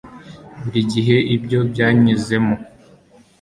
buri gihe ibyo byanyuzemo